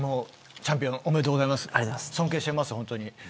チャンピオンおめでとうございます尊敬してます。